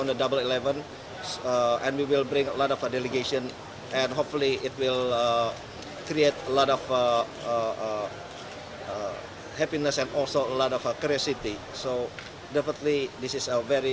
dan kita akan membawa banyak delegasi dan semoga itu akan menciptakan banyak kebahagiaan dan juga banyak kegembiraan jadi ini adalah hasil yang sangat baik